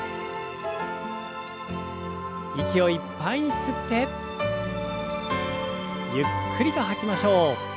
息をいっぱいに吸ってゆっくりと吐きましょう。